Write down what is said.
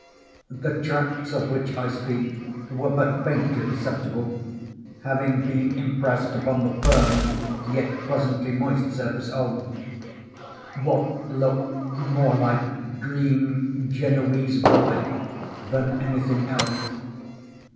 The tracks of which I speak were but faintly perceptible—having been impressed upon the firm, yet pleasantly moist surface of—what looked more like green Genoese velvet than any thing else.